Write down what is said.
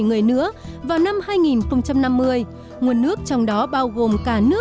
xin cảm ơn